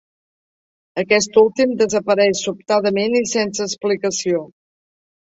Aquest últim desapareix sobtadament i sense explicació.